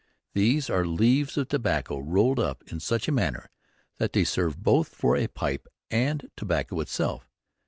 these are Leaves of Tobacco rolled up in such Manner that they serve both for a Pipe and Tobacco itself